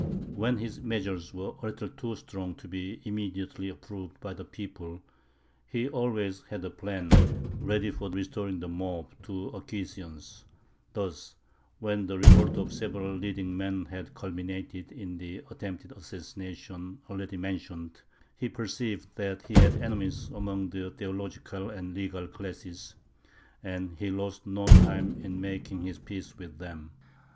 When his measures were a little too strong to be immediately approved by the people, he always had a plan ready for restoring the mob to acquiescence. Thus, when the revolt of several leading men had culminated in the attempted assassination already mentioned, he perceived that he had enemies among the theological and legal classes, and he lost no time in making his peace with them.